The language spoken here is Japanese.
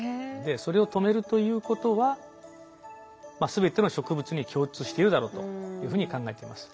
それを止めるということはまあ全ての植物に共通しているだろうというふうに考えています。